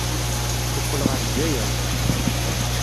Yeqqel ɣer Lezzayer.